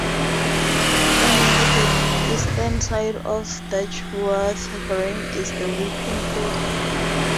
Standing at the eastern side of Datchworth Green is the whipping post.